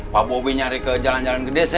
pak bobi nyari ke jalan jalan kedesa